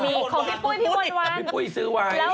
มีของพี่ปุ้ยพี่บ่นวันพี่ปุ้ยซื้อวาย